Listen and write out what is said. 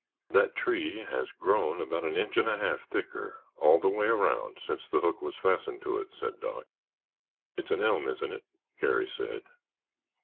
"That tree has grown about an inch and a half thicker all the way around since the hook was fastened to it," said Doc. "It's an elm, isn't it?" Garry said.